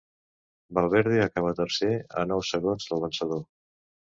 Valverde acabà tercer, a nou segons del vencedor.